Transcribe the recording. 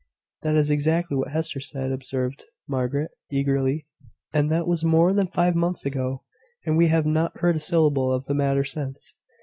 "That is exactly what Hester said," observed Margaret, eagerly. "And that was more than five months ago, and we have not heard a syllable of the matter since."